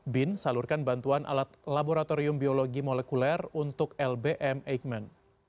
bin salurkan bantuan alat laboratorium biologi molekuler untuk lbm eijkman